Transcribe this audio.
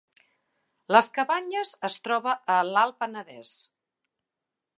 Les Cabanyes es troba a l’Alt Penedès